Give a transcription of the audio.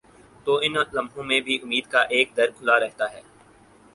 تو ان لمحوں میں بھی امید کا ایک در کھلا رہتا ہے۔